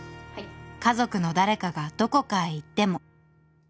「家族のだれかがどこかへいっても」